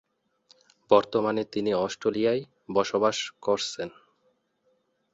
বর্তমানে তিনি অস্ট্রেলিয়ায় বসবাস করছেন।